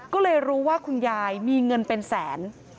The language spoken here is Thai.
ก็เลยรู้ว่าคุณยายมีเงินเป็นแสน